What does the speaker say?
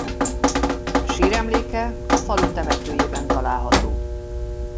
Síremléke a falu temetőjében található.